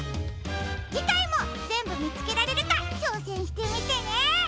じかいもぜんぶみつけられるかちょうせんしてみてね！